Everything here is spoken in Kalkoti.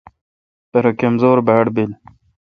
پرہ کمزور باڑ بل۔